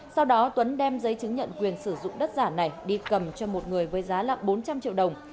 sau đó tuấn đem giấy chứng nhận quyền sử dụng đất giả này đi cầm cho một người với giá là bốn trăm linh triệu đồng